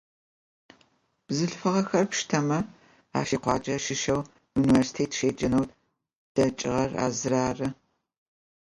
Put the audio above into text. Бзылъфыгъэхэр пштэмэ, ащ икъуаджэ щыщэу, университет щеджэнэу дэкӏыгъэр а зыр ары.